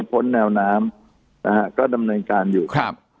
พ้นแนวน้ำนะฮะก็ดำเนินการอยู่ครับ